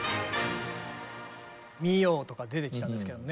ミヨーとか出てきたんですけどね